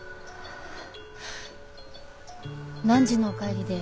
何時のお帰りで？